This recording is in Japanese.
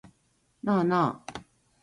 なあなあ